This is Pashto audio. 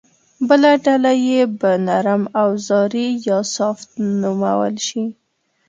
بله ډله یې به نرم اوزاري یا سافټ نومول شي